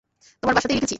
তোমার ভাষাতেই লিখেছি।